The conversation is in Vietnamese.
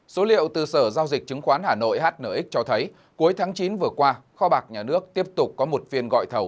số liệu từ sở giao dịch chứng khoán hà nội hnx cho thấy cuối tháng chín vừa qua kho bạc nhà nước tiếp tục có một phiên gọi thầu